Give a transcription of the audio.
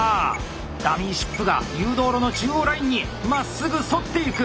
ダミーシップが誘導路の中央ラインにまっすぐ沿っていく。